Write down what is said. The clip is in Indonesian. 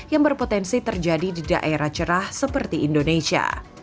yang berpotensi terjadi di daerah cerah seperti indonesia